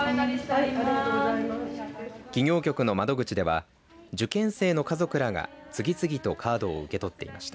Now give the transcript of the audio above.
企業局の窓口では受験生の家族らが次々とカードを受け取っていました。